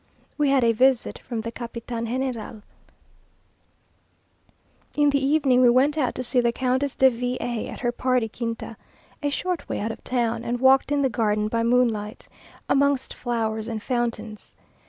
We had a visit from the Captain General. In the evening we went out to see the Countess de V a, at her pretty quinta, a short way out of town, and walked in the garden by moonlight, amongst flowers and fountains.